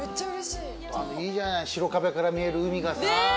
いいじゃない白壁から見える海がさ。